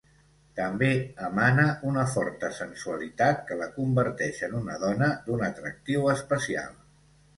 També emana una forta sensualitat que la converteix en una dona d'un atractiu especial.